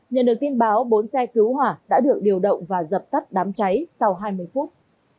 nhận được tin báo bốn xe cứu hỏa đã được điều động và dập tắt đám cháy sau hai mươi phút